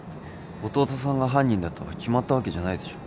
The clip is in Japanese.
弟さんが犯人だと決まったわけじゃないでしょ